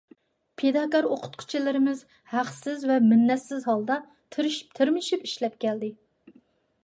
پىداكار ئوقۇتقۇچىلىرىمىز ھەقسىز ۋە مىننەتسىز ھالدا، تىرىشىپ-تىرمىشىپ ئىشلەپ كەلدى.